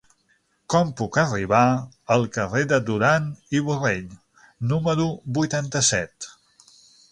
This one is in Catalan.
Com puc arribar al carrer de Duran i Borrell número vuitanta-set?